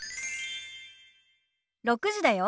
６時だよ。